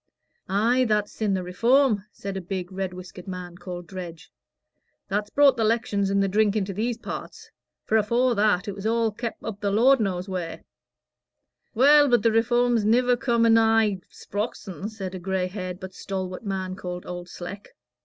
"Ay, that's sin' the Reform," said a big, red whiskered man, called Dredge. "That's brought the 'lections and the drink into these parts; for afore that, it was all kep' up the Lord knows wheer." "Well, but the Reform's niver come anigh Sprox'on," said a gray haired but stalwart man called Old Sleck.